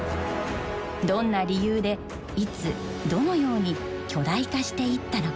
どんな理由でいつどのように巨大化していったのか？